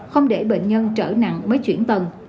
không để bệnh nhân trở nặng mới chuyển tầng